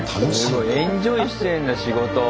エンジョイしてるんだ仕事を。